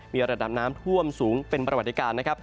มีระดับน้ำท่วมสูงเป็นประวัติการนะครับ